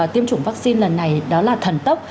tiêm chủng vaccine lần này đó là thần tốc